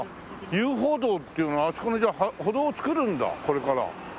遊歩道っていうのはあそこにじゃあ歩道を造るんだこれから。